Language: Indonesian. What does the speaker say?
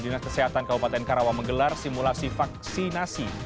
dinas kesehatan kabupaten karawang menggelar simulasi vaksinasi